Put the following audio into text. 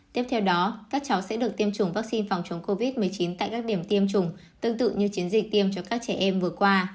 tiếp theo đó các cháu sẽ được tiêm chủng vaccine phòng chống covid một mươi chín tại các điểm tiêm chủng tương tự như chiến dịch tiêm cho các trẻ em vừa qua